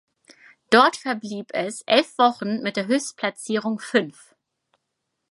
Dort verblieb es elf Wochen mit der Höchstplatzierung fünf.